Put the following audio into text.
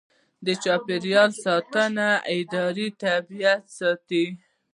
د چاپیریال ساتنې اداره طبیعت ساتي